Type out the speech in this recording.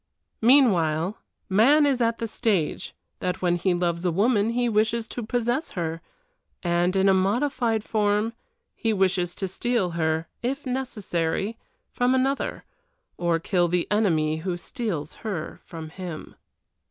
Meanwhile, man is at the stage that when he loves a woman he wishes to possess her, and, in a modified form, he wishes to steal her, if necessary, from another, or kill the enemy who steals her from him.